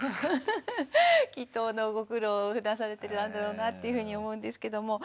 きっとご苦労をふだんされてるだろうなというふうに思うんですけども。